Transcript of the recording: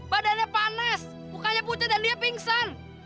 badannya panas mukanya pucat dan dia pingsan